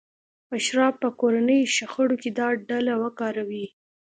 اشراف به کورنیو شخړو کې دا ډله وکاروي.